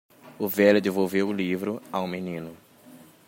O velho devolveu o livro ao menino.